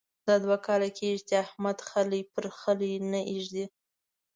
دا دوه کاله کېږې چې احمد خلی پر خلي نه اېږدي.